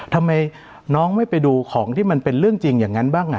ทำไมน้องไม่ไปดูของที่มันเป็นเรื่องจริงอย่างนั้นบ้าง